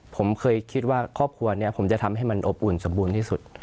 ผมเคยคิดว่าครอบครัวนี้ผมจะทำให้มันอบอุ่นสมบูรณ์ที่สุด